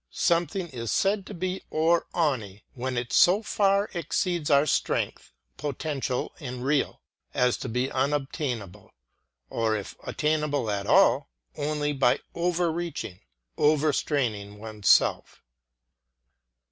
'* Something is said to be "over aevne" when it so far exceeds our strength, poten tial and real, as to be imobtainable ; or if attainable at all, only by over reaching, over straining one's self.